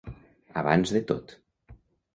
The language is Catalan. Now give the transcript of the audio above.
Abans de tot.